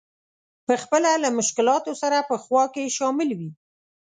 په خپله له مشکلاتو سره په خوا کې شامل وي.